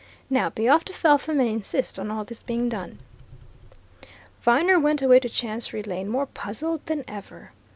Now be off to Felpham and insist on all this being done." Viner went away to Chancery Lane more puzzled than ever.